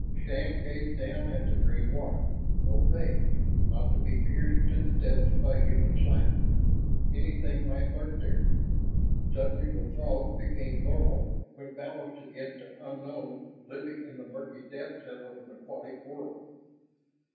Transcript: Shann gazed down at the green water, opaque, not to be pierced to the depths by human sight. Anything might lurk there. Suddenly the Throgs became normal when balanced against an unknown living in the murky depths of an aquatic world.